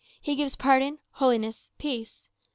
He gives pardon, holiness, peace.